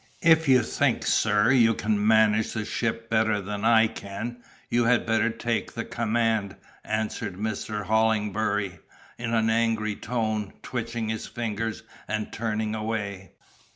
"If you think, sir, you can manage the ship better than I can, you had better take the command," answered Mr. Hollingbury, in an angry tone, twitching his fingers and turning away.